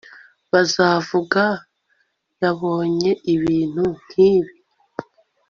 bazavuga, yabonye ibintu nkibi